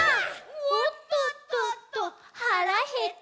「おっとっとっと腹減った」